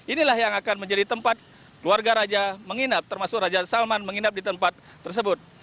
inilah yang akan menjadi tempat keluarga raja menginap termasuk raja salman menginap di tempat tersebut